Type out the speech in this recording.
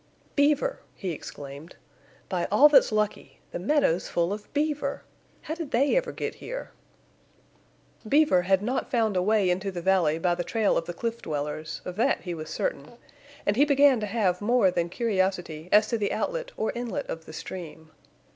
"Beaver!" he exclaimed. "By all that's lucky! The meadow's full of beaver! How did they ever get here?" Beaver had not found a way into the valley by the trail of the cliff dwellers, of that he was certain; and he began to have more than curiosity as to the outlet or inlet of the stream.